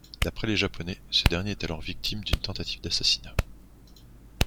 D'après les Japonais, ce dernier est alors victime d'une tentative d'assassinat.